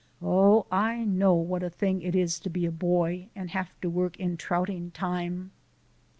Oh, I know what a thing it is to be a boy and to work in trouting time!